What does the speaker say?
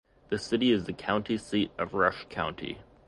The city is the county seat of Rush County.